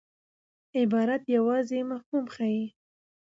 عبارت یوازي مفهوم ښيي.